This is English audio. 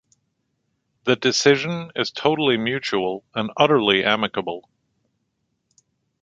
The decision is totally mutual and utterly amicable.